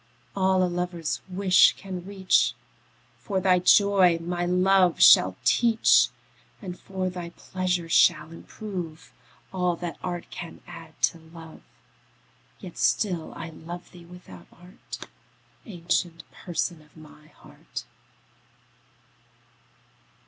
All a lover's wish can reach, For thy joy my love shall teach; And for thy pleasure shall improve All that art can add to love. Yet still I love thee without art, Ancient Person of my heart.